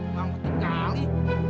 gak ngerti kali